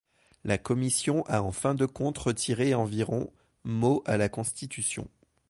La Commission a en fin de compte retiré environ mots à la constitution.